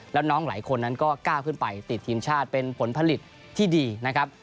แล้วน้องหลายคนนั้นก็ก้าวขึ้นไปติดทีมชาติเป็นผลผลิตที่ดีนะครับ